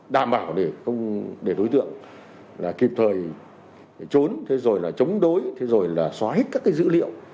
đảm bảo để đối tượng kịp thời trốn chống đối xóa hết các dữ liệu